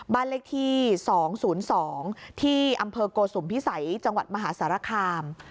บ้านเลขที่๒๐๒ที่อำเภอโกสุมพิสัยจังหวัดมหาสารคาม